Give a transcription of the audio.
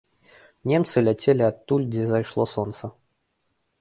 Немцы ляцелі адтуль, дзе зайшло сонца.